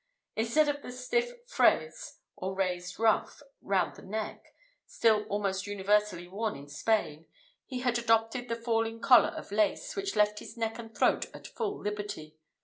Instead of the stiff fraise, or raised ruff, round the neck, still almost universally worn in Spain, he had adopted the falling collar of lace, which left his neck and throat at full liberty.